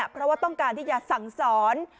เพราะว่าต้องการที่จะสั่งสอน